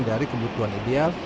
dari kebutuhan ideal